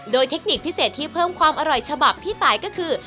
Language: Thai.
โดยเทคนิคพิเศษที่เพิ่มความอร่อยฉบับพี่ตายก็คือ